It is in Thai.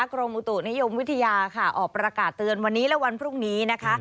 กรมอุตุนิยมวิทยาค่ะออกประกาศเตือนวันนี้และวันพรุ่งนี้นะคะ